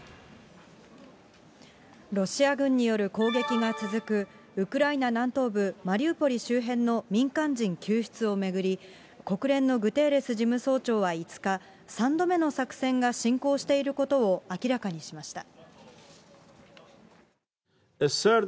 ロシア軍による攻撃が続く、ウクライナ南東部、マリウポリ周辺の民間人救出を巡り、国連のグテーレス事務総長は５日、３度目の作戦が進行していることを明らかにしました。